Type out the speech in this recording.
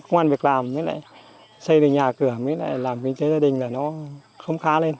ngoan việc làm mới lại xây được nhà cửa mới lại làm kinh tế gia đình là nó không khá lên